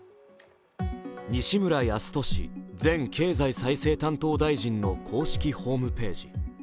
西村康稔前経済再生担当大臣の公式ホームページ。